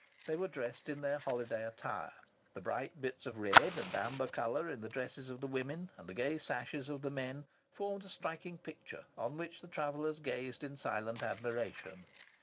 They were dressed in their holiday attire. The bright bits of red and amber colour in the dresses of the women, and the gay sashes of the men, formed a striking picture, on which the travellers gazed in silent admiration.